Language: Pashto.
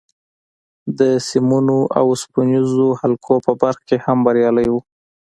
د سیمونو او اوسپنیزو حلقو په برخه کې هم بریالی و